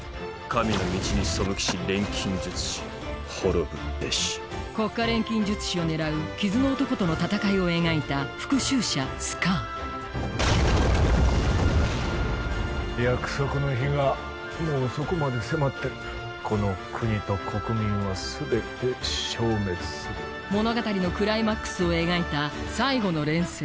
神の道に背きし錬金術師滅ぶべし国家錬金術師を狙う傷の男との戦いを描いた「復讐者スカー」約束の日がもうそこまで迫ってるこの国と国民は全て消滅する物語のクライマックスを描いた「最後の錬成」